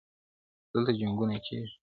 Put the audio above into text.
دلته جنګونه کیږي-